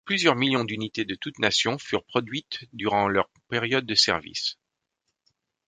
Plusieurs millions d'unités de toutes nations furent produites durant leurs périodes de service.